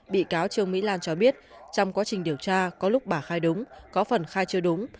bị cáo trương mỹ lan cho biết trong quá trình điều tra có lúc bà khai đúng có phần khai chưa đúng